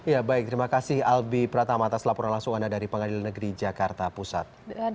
ya baik terima kasih albi pratama atas laporan langsung anda dari pengadilan negeri jakarta pusat